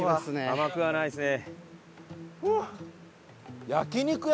甘くはないですね。